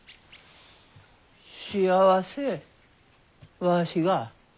幸せわしが？